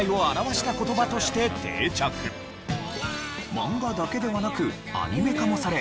漫画だけではなくアニメ化もされ